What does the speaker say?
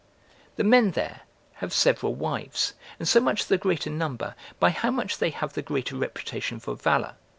The men there have several wives, and so much the greater number, by how much they have the greater reputation for valour.